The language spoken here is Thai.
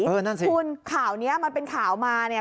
นั่นสิคุณข่าวนี้มันเป็นข่าวมาเนี่ย